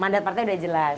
mandat partai sudah jelas